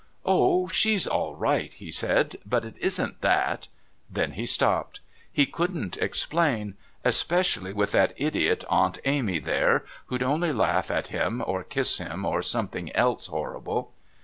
"Oh, she's all right," he said. "But it isn't that " Then he stopped; he couldn't explain especially with that idiot Aunt Amy there, who'd only laugh at him, or kiss him, or something else horrible.